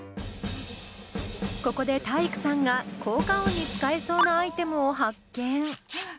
ここで体育さんが効果音に使えそうなアイテムを発見。